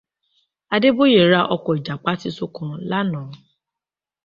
Adébóyè ra ọkọ̀ Ìjàpá titun kan lánàá.